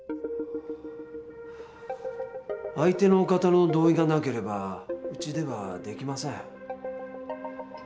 相手の方の同意がなければ、うちではできません。